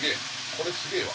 これすげえわ。